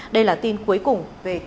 đây là tin cuối cùng